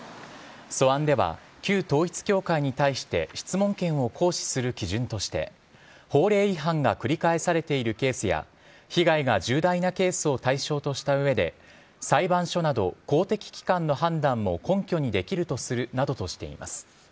素案では、旧統一教会に対して質問権を行使する基準として、法令違反が繰り返されているケースや、被害が重大なケースを対象としたうえで、裁判所など公的機関の判断も根拠にできるとするなどとしています。